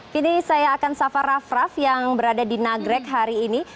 kini saya akan safar raff raff yang berada di nagrek hari ini